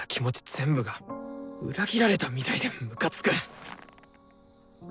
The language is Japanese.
全部が裏切られたみたいでムカつく！